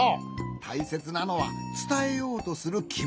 たいせつなのはつたえようとするきもち。